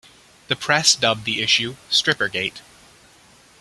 The press dubbed the issue "Strippergate".